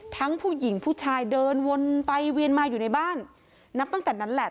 ผู้หญิงผู้ชายเดินวนไปเวียนมาอยู่ในบ้านนับตั้งแต่นั้นแหละ